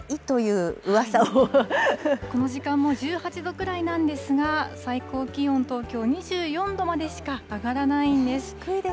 この時間も１８度ぐらいなんですが、最高気温、きょう東京２４度までしか上がらないんです。